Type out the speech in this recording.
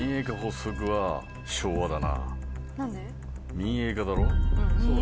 ・民営化だろ？